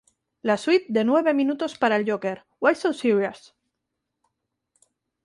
La suite de nueve minutos para el Joker, "Why So Serious?